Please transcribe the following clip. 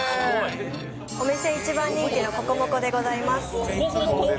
お店一番人気のココモコでごココモコ？